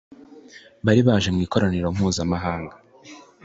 bari baje mu ikoraniro mpuzamahanga